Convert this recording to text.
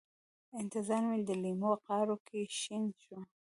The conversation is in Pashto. انتظار مې د لېمو غاړو کې شین شو